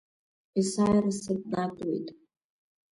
Есааира сатәнатәуеит…